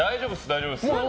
大丈夫です。